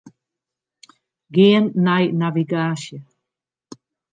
Gean nei navigaasje.